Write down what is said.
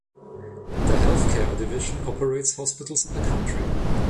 The health care division operates hospitals in the country.